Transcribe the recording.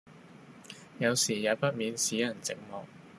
有時也不免使人寂寞，